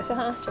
aku lihat deh